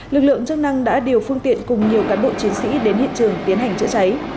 lực lượng chức năng đã điều phương tiện cùng nhiều cán bộ chiến sĩ đến hiện trường tiến hành chữa cháy